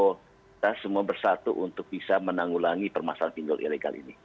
kita semua bersatu untuk bisa menanggulangi permasalahan pinjol ilegal ini